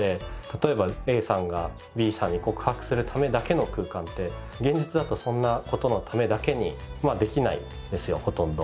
例えばＡさんがＢさんに告白するためだけの空間って現実だとそんな事のためだけにできないですよほとんど。